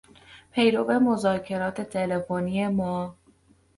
پیرو مذاکرات تلفنی ما